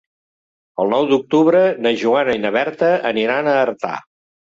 El nou d'octubre na Joana i na Berta aniran a Artà.